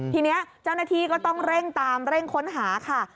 ทีนี้เจ้าหน้าที่ก็ต้องเร่งตามเร่งค้นหาค่ะ